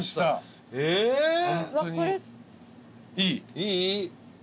いい？